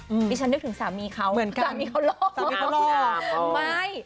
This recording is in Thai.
อืมมีฉันนึกถึงสามีเขาเหมือนกันสามีเขาลอกเลยเหรอสามีเขาลอนะเออไม่